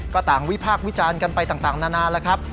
ก็ต่างวิพากษ์วิจารณ์กันไปต่างนานแล้วครับ